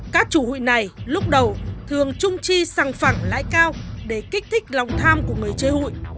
các chủ hụi này lúc đầu thường trung chi săng phẳng lãi cao để kích thích lòng tham của người chơi hụi